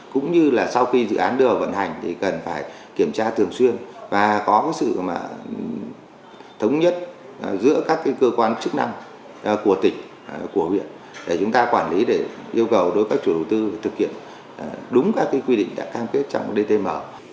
cũng như là sau khi dự án đưa vào vận hành thì cần phải kiểm tra thường xuyên và có sự thống nhất giữa các cơ quan chức năng của tỉnh của huyện để chúng ta quản lý để yêu cầu đối với các chủ đầu tư thực hiện đúng các quy định đã cam kết trong dtm